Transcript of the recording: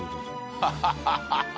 ハハハハッ！